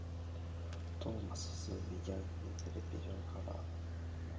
Thomas soon began his television career.